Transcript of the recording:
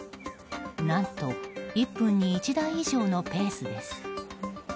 何と１分に１台以上のペースです。